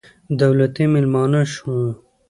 دولتي مېلمانه شوو.